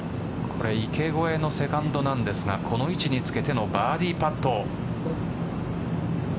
池越えのセカンドなんですがこの位置につけてのバーディーパット。